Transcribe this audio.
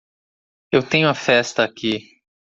Eu tenho a festa aqui.